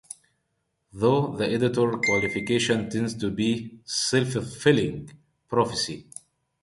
Thus, the auditor's qualification tends to be a self-fulfilling prophecy.